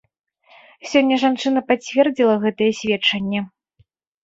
Сёння жанчына пацвердзіла гэтыя сведчанні.